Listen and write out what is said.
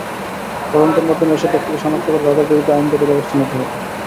তদন্তের মাধ্যমে এসব ব্যক্তিকে শনাক্ত করে তাঁদের বিরুদ্ধে আইনগত ব্যবস্থা নিতে হবে।